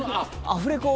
アフレコ